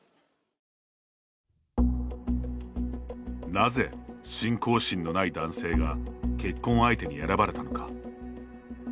なぜ、信仰心のない男性が結婚相手に選ばれたのか。